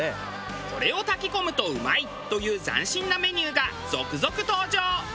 これを炊き込むとうまいという斬新なメニューが続々登場。